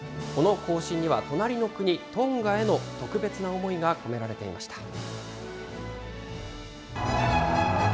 この行進には隣の国、トンガへの特別な思いが込められていました。